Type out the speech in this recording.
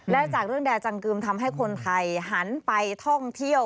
และจากเรื่องแด่จังกึมทำให้คนไทยหันไปท่องเที่ยว